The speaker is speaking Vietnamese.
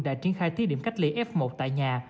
đã triển khai thí điểm cách ly f một tại nhà